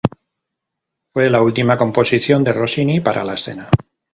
Fue la última composición de Rossini para la escena.